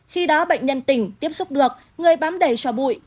khi đó bệnh nhân tỉnh tiếp xúc được người bám đầy cho bụi